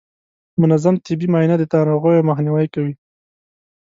منظم طبي معاینه د ناروغیو مخنیوی کوي.